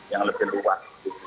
yang lebih luas